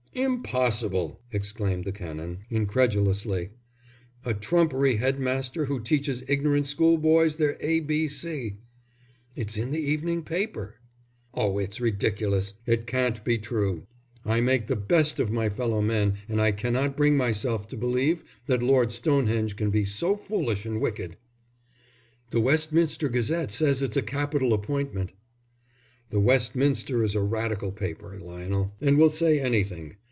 "Impossible!" exclaimed the Canon, incredulously. "A trumpery headmaster who teaches ignorant school boys their A B C." "It's in the evening paper." "Oh, it's ridiculous; it can't be true. I make the best of my fellow men, and I cannot bring myself to believe that Lord Stonehenge can be so foolish and wicked." "The Westminster Gazette says it's a capital appointment." "The Westminster is a Radical paper, Lionel, and will say anything.